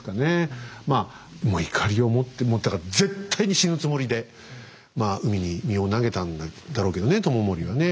まあもういかりを持ってもうだから絶対に死ぬつもりでまあ海に身を投げたんだろうけどね知盛はね。